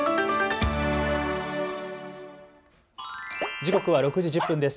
時刻は６時１０分です。